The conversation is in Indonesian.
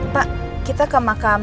pak kita ke makam